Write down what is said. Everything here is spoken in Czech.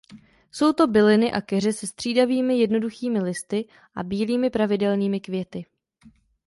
Jsou to byliny a keře se střídavými jednoduchými listy a bílými pravidelnými květy.